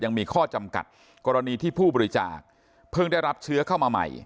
ยังมีข้อจำกัดกรณีที่ผู้บริจาคเพิ่งได้รับเชื้อเข้ามาใหม่